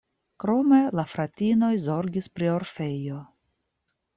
Krome la fratinoj zorgis pri orfejo.